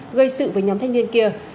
gây sự với nhóm thanh niên kia